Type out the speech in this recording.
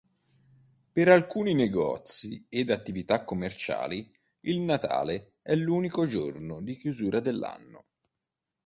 Per alcuni negozi ed attività commerciali, il Natale è l'unico giorno di chiusura dell'anno.